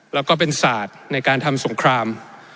แล้วก็เป็นศาสตร์ในการทำสงคราม